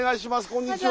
こんにちは。